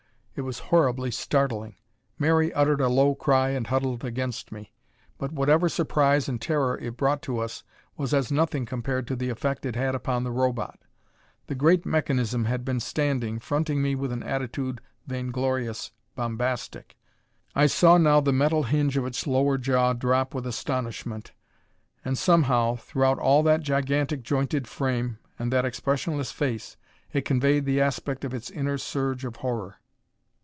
It was horribly startling. Mary uttered a low cry and huddled against me. But whatever surprise and terror it brought to us was as nothing compared to the effect it had upon the Robot. The great mechanism had been standing, fronting me with an attitude vainglorious, bombastic. I saw now the metal hinge of its lower jaw drop with astonishment, and somehow, throughout all that gigantic jointed frame and that expressionless face it conveyed the aspect of its inner surge of horror.